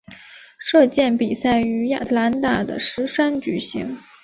射箭比赛于亚特兰大的石山举行。